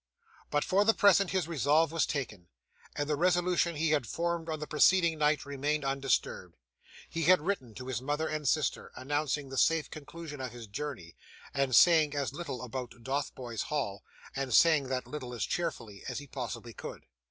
But, for the present, his resolve was taken, and the resolution he had formed on the preceding night remained undisturbed. He had written to his mother and sister, announcing the safe conclusion of his journey, and saying as little about Dotheboys Hall, and saying that little as cheerfully, as he possibly could.